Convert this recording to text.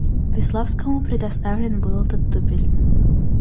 Весловскому предоставлен был этот дупель.